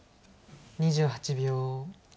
２８秒。